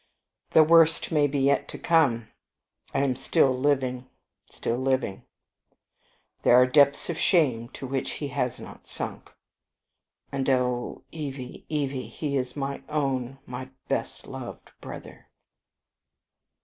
The worst may be yet to come; I am still living, still living: there are depths of shame to which he has not sunk. And oh, Evie, Evie, he is my own, my best loved brother!"